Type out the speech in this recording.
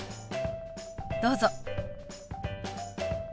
どうぞ。